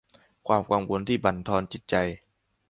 ความกังวลที่บั่นทอนจิตใจ